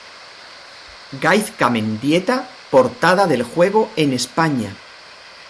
Gaizka Mendieta portada del juego en España.